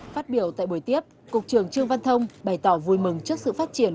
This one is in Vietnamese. phát biểu tại buổi tiếp cục trưởng trương văn thông bày tỏ vui mừng trước sự phát triển